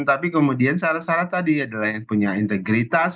tapi kemudian syarat syarat tadi adalah yang punya integritas